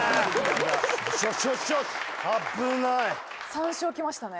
３笑きましたね。